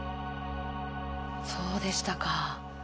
そうでしたか。